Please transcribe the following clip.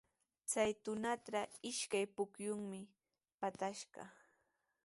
Chay tunatraw ishkay pukyumi pashtashqa.